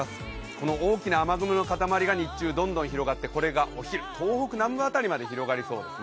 この大きな雨雲の塊が日中どんどん広がってこれがお昼、東北南部辺りまで広がりそうです。